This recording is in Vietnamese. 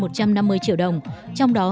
một trăm năm mươi triệu đồng trong đó